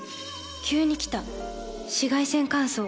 急に来た紫外線乾燥。